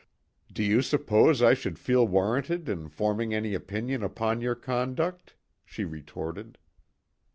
"Do you suppose I should feel warranted in forming any opinion upon your conduct?" she retorted.